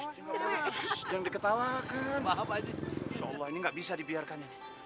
jangan diketawakan apa ini nggak bisa dibiarkan